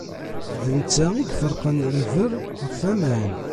D netta i iferqen lberr ɣef waman.